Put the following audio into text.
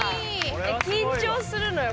緊張するのよ